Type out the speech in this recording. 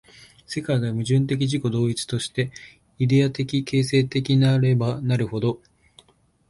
世界が矛盾的自己同一として、イデヤ的形成的なればなるほど、